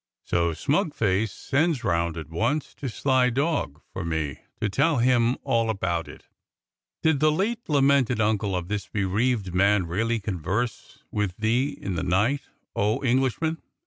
So smug face sends round at once to sly dog for me to tell him all about it. "'Did the late lamented uncle of this bereaved man really converse with thee in the night, O Englishman.'